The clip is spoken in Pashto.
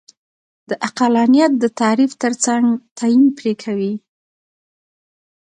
د عقلانیت د تعریف ترڅنګ تعین پرې کوي.